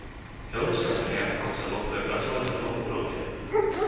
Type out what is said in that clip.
Európska únia ako celok bude pracovať na dvoch úrovniach.